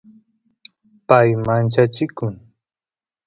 pay manchachikun